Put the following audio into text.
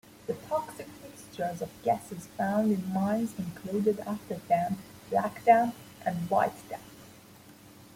The toxic mixtures of gases found in mines included afterdamp, blackdamp and whitedamp.